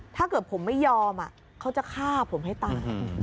ถ้าเกิดผมไม่ยอมเขาจะฆ่าผมให้ตาย